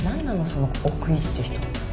その奥居って人。